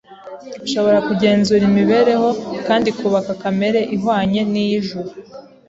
ishobora kugenzura imibereho kandi ikubaka kamere ihwanye n’iy’ijuru.